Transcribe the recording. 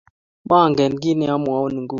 Mangen kito ne amwoun nguni